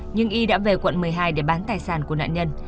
nhưng y đã về quận một mươi hai để bán tài sản của nạn nhân